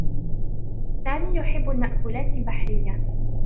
سامي يحبّ المأكولات البحريّة.